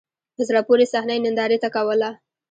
په زړه پوري صحنه یې نندارې ته کوله.